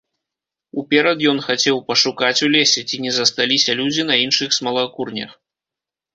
Уперад ён хацеў пашукаць у лесе, ці не засталіся людзі на іншых смалакурнях.